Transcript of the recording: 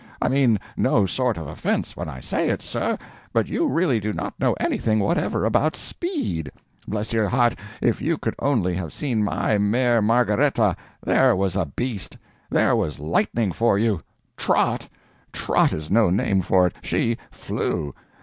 I mean no sort of offence when I say it, sir, but you really do not know anything whatever about speed. Bless your heart, if you could only have seen my mare Margaretta; there was a beast!—there was lightning for you! Trot! Trot is no name for it—she flew!